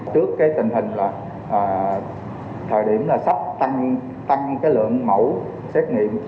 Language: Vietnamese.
trước cái tình hình là thời điểm là sắp tăng cái lượng mẫu xét nghiệm